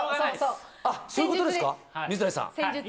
そういうことですか、水谷さん。